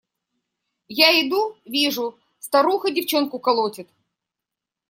Я иду, вижу – старуха девчонку колотит.